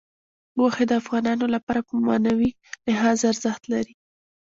غوښې د افغانانو لپاره په معنوي لحاظ ارزښت لري.